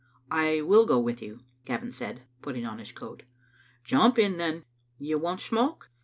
" I will go with you," Gavin said, putting on his coat. "Jump in then. You won'f smoke?